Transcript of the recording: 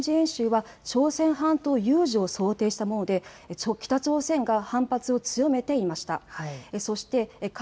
この合同軍事演習は朝鮮半島有事を想定したもので北朝鮮が反発を強めていました。